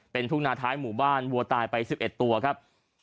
เป็นทุ่งนาท้ายหมู่บ้านวัวตายไป๑๑ตัวครับ